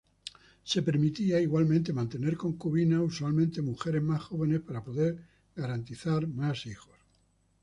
Se permitía igualmente mantener concubinas, usualmente mujeres más jóvenes para poder garantizar más hijos.